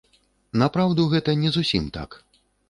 Напраўду гэта не зусім так.